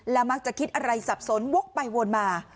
มักจะคิดอะไรสับสนวกไปวนมา